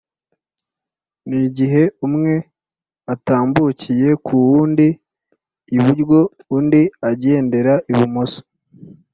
nigihe umwe atambukiye kuwundi iburyo, undi agendera ibumoso